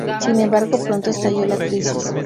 Sin embargo, pronto estalló la crisis.